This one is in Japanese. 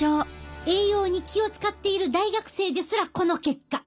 栄養に気を遣っている大学生ですらこの結果。